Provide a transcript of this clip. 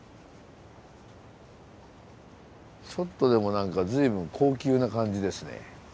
ちょっとでも何か随分高級な感じですね。